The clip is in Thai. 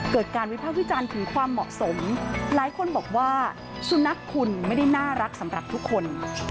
เกิดการวิภาควิจารณ์ถึงความเหมาะสมหลายคนบอกว่าสุนัขคุณไม่ได้น่ารักสำหรับทุกคน